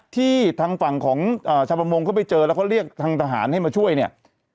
ที่ทางฝั่งของชาวประมงเขาไปเจอแล้วเขาเรียกทางทหารให้มาช่วยเนี่ย